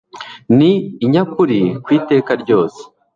Ni inyakuri kwiteka ryose